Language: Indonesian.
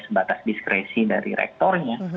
sebatas diskresi dari rektornya